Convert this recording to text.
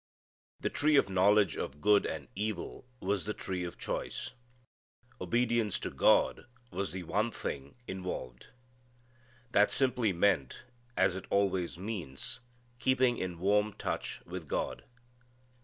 The tree of knowledge of good and evil was the tree of choice. Obedience to God was the one thing involved. That simply meant, as it always means, keeping in warm touch with God.